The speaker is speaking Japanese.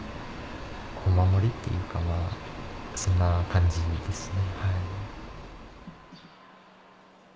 お守りっていうかそんな感じですね。